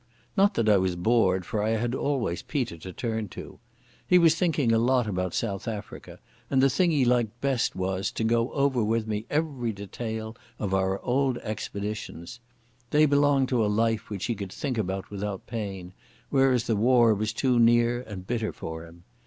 Not that I was bored, for I had always Peter to turn to. He was thinking a lot about South Africa, and the thing he liked best was to go over with me every detail of our old expeditions. They belonged to a life which he could think about without pain, whereas the war was too near and bitter for him.